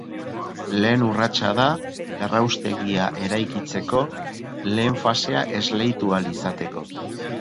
Lehen urratsa da erraustegia eraikitzeko lehen fasea esleitu ahal izateko.